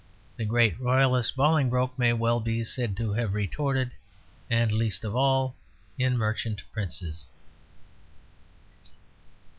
The great Royalist Bolingbroke may well be said to have retorted, "And least of all in merchant princes."